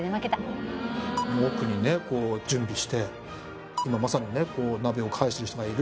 奥にねこう準備して今まさにねこう鍋を返してる人がいる。